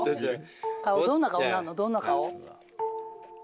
どんな顔になんのどんな顔？